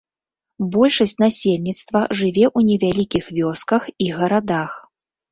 Большасць насельніцтва жыве ў невялікіх вёсках і гарадах.